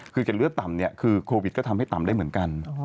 คือจะเลือดต่ำเนี่ยคือโควิดก็ทำให้ต่ำได้เหมือนกัน